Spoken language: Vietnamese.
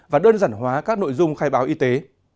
và đơn giản hóa các nội dung khai báo y tế